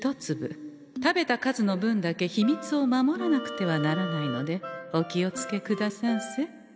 食べた数の分だけ秘密を守らなくてはならないのでお気をつけくださんせ。